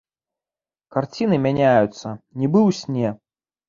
Карціны мяняюцца, нібы ў сне.